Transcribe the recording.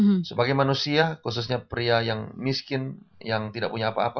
khususnya orang usia khususnya pria yang miskin yang tidak punya apa apa